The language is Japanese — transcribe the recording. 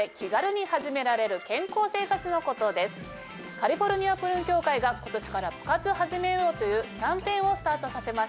カリフォルニアプルーン協会が今年から「プ活はじめよう。」というキャンペーンをスタートさせました。